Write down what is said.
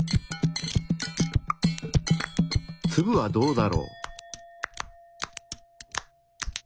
ツブはどうだろう？